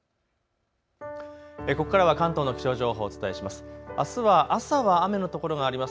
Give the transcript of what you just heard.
ここからは関東の気象情報をお伝えします。